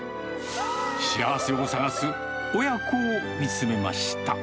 幸せを探す親子を見つめまし